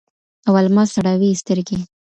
او الماس اړوي سترګي